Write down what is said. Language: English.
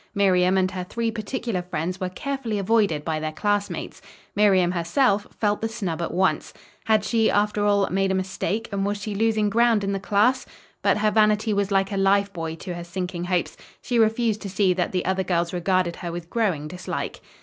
Miriam and her three particular friends were carefully avoided by their classmates. Miriam, herself, felt the snub at once. Had she, after all, made a mistake, and was she losing ground in the class? But her vanity was like a life buoy to her sinking hopes. She refused to see that the other girls regarded her with growing dislike.